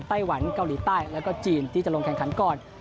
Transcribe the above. ไต้หวันเกาหลีใต้แล้วก็จีนที่จะลงแข่งขันก่อน